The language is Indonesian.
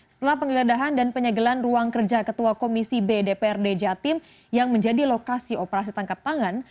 setelah penggeledahan dan penyegelan ruang kerja ketua komisi b dprd jatim yang menjadi lokasi operasi tangkap tangan